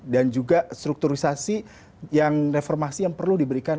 dan juga strukturisasi yang reformasi yang perlu diberikan